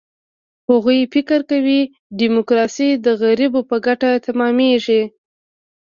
هغوی فکر کوي، ډیموکراسي د غریبو په ګټه تمامېږي.